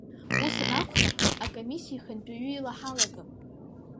Ус анакәха, акомиссиа ахантәаҩы ила ҳалагап.